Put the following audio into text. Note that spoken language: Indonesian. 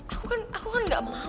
aku kan aku kan gak mau